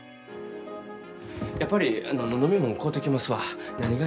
やっぱり飲み物買うてきますわ。